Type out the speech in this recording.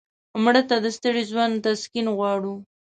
مړه ته د ستړي ژوند تسکین غواړو